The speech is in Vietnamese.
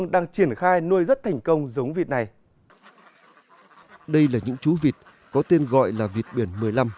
đây là những chú vịt có tên gọi là vịt biển một mươi năm